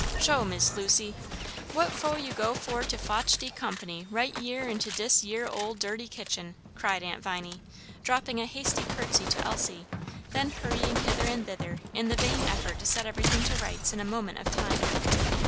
"Sho, Miss Lucy! what fo' you go for to fotch de company right yere into dis yere ole dirty kitchen?" cried Aunt Viney, dropping a hasty courtesy to Elsie, then hurrying hither and thither in the vain effort to set everything to rights in a moment of time.